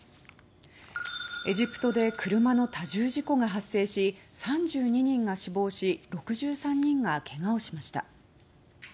エジプトで車の多重事故が発生し３２人が死亡し６３人がけがをしました。